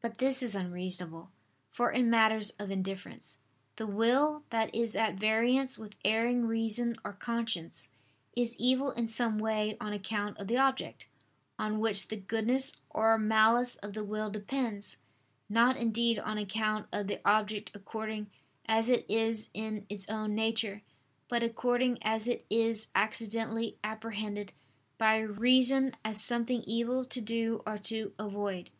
But this is unreasonable. For in matters of indifference, the will that is at variance with erring reason or conscience, is evil in some way on account of the object, on which the goodness or malice of the will depends; not indeed on account of the object according as it is in its own nature; but according as it is accidentally apprehended by reason as something evil to do or to avoid.